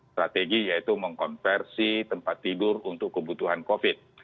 strategi yaitu mengkonversi tempat tidur untuk kebutuhan covid